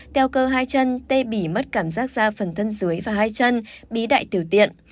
teo cơ hai chân tê bỉ mất cảm giác da phần thân dưới và hai chân bí tiểu tiện